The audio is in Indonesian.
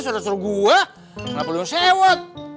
suara suara gue kenapa lo sewat